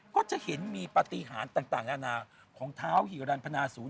ก็จะเห็นมีปฏิหารต่างนานาของเท้าฮีรันพนาศูนย